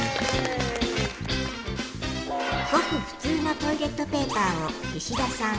ごくふつうのトイレットペーパーを石田さん